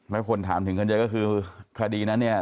ไม่ควรถามถึงกันเลยก็คือคดีนั้นเนี่ย